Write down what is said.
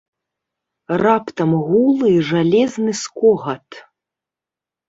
Раптам гул і жалезны скогат.